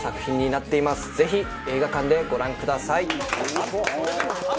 ぜひ映画館でご覧ください。